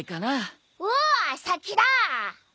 お先だ！